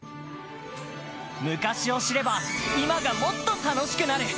昔を知れば今がもっと楽しくなる。